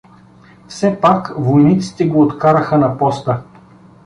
Все пак войниците го откараха на поста.